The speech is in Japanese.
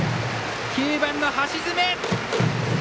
９番の橋爪。